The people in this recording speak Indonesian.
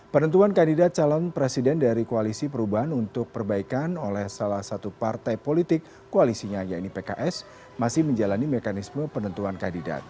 penentuan kandidat calon presiden dari koalisi perubahan untuk perbaikan oleh salah satu partai politik koalisinya yaitu pks masih menjalani mekanisme penentuan kandidat